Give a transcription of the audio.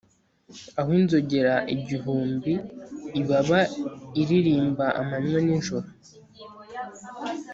aho inzogera igihumbi ibaba iririmba amanywa n'ijoro